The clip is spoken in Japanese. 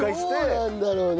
どうなんだろうね。